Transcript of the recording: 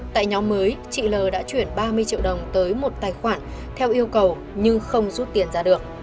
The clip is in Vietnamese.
tại nhóm mới chị l đã chuyển ba mươi triệu đồng tới một tài khoản theo yêu cầu nhưng không rút tiền ra được